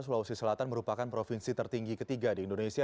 sulawesi selatan merupakan provinsi tertinggi ketiga di indonesia